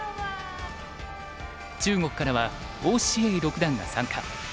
中国からは於之瑩六段が参加。